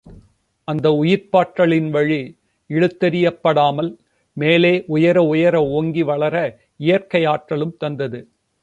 அந்த உயிர்ப்பாற்றலின் வழி இழுத்தெறியப் படாமல் மேலே உயர உயர ஓங்கி வளர, இயற்கை ஆற்றலும் தந்தது.